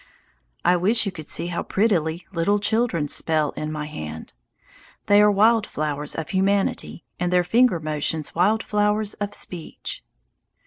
I wish you could see how prettily little children spell in my hand. They are wild flowers of humanity, and their finger motions wild flowers of speech.